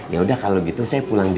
ya udah kalau gitu saya pulang